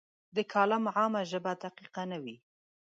د کالم عامه ژبه دقیقه نه وي.